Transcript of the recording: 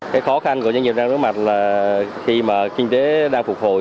cái khó khăn của doanh nghiệp đang đối mặt là khi mà kinh tế đang phục hồi